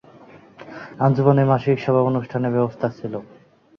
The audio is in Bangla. আঞ্জুমানের মাসিক সভা অনুষ্ঠানের ব্যবস্থা ছিল।